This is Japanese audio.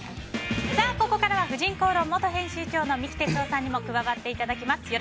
ここからは「婦人公論」元編集長三木哲男さんにも加わっていただきます。